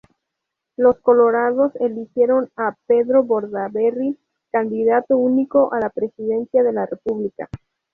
Los colorados eligieron a Pedro Bordaberry candidato único a la Presidencia de la República.